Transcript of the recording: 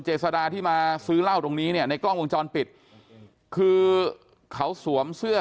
เจษดาที่มาซื้อเหล้าตรงนี้เนี่ยในกล้องวงจรปิดคือเขาสวมเสื้อ